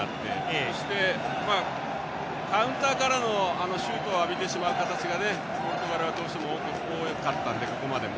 そして、カウンターからのシュートを浴びてしまう形がポルトガルはどうしても多かったんで、ここまでも。